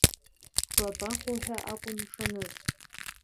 Лабахәуа ҳәа акәын ишаныз.